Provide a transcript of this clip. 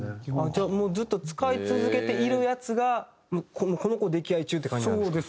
じゃあもうずっと使い続けているやつがもうこの子溺愛中って感じなんですか？